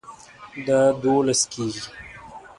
دا دوولس کیږي